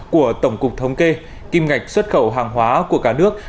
của tổng cục thống kê kim ngạch xuất khẩu hàng hóa của cả nước